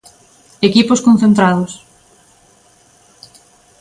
Equipos concentrados.